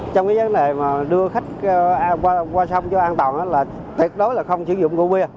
trong cái vấn đề mà đưa khách qua sông cho an toàn là tuyệt đối là không sử dụng rượu bia